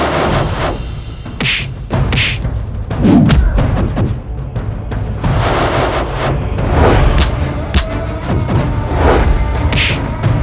dindakan terimani terkena pukulanku